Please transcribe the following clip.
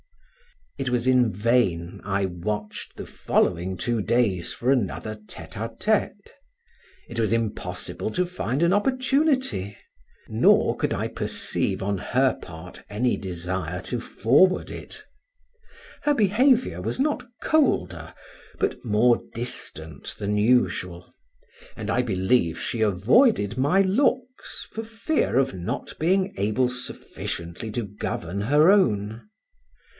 It was in vain I watched the two following days for another tete a tete; it was impossible to find an opportunity; nor could I perceive on her part any desire to forward it; her behavior was not colder, but more distant than usual, and I believe she avoided my looks for fear of not being able sufficiently to govern her own.